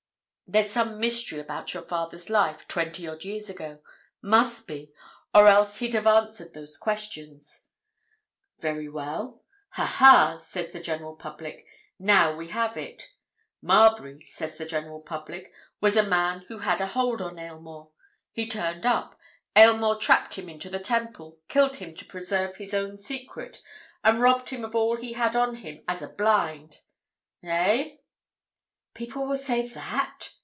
There's some mystery about your father's life, twenty odd years ago. Must be—or else he'd have answered those questions. Very well. 'Ha, ha!' says the general public. 'Now we have it!' 'Marbury,' says the general public, 'was a man who had a hold on Aylmore. He turned up. Aylmore trapped him into the Temple, killed him to preserve his own secret, and robbed him of all he had on him as a blind.' Eh?" "You think—people will say that?"